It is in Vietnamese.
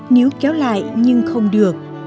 níu kéo lại nhưng không được